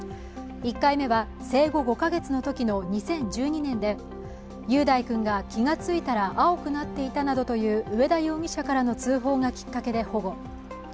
１回目は生後５カ月のときの２０１２年で雄大君が気がついたら青くなっていたなどという上田容疑者からの通報がきっかけで保護。